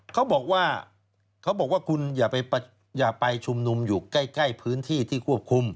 เขาบอกว่าเขาบอกว่าคุณอย่าไปชุมนุมอยู่ใกล้พื้นที่ที่ควบคุม